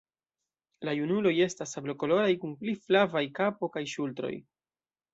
La junuloj estas sablokoloraj kun pli flavaj kapo kaj ŝultroj.